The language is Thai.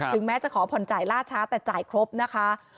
แม้จะขอผ่อนจ่ายล่าช้าแต่จ่ายครบนะคะ